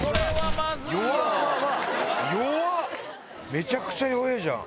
めちゃくちゃ弱えぇじゃん。